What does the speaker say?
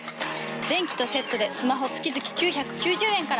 電気とセットでスマホ月々９９０円から。